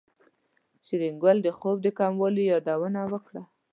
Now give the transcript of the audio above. شېرګل د خوب د کموالي يادونه وکړه.